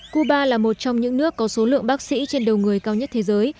cuba là một trong những nước có số lượng bác sĩ trên đầu người cao nhất thế giới